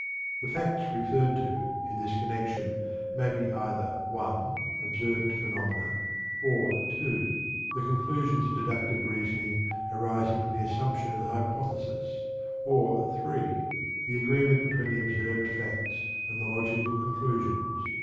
The "facts" referred to in this connection may be either (1) observed phenomena, or (2) the conclusions of deductive reasoning arising from the assumption of the hypothesis, or (3) the agreement between the observed facts and the logical conclusions.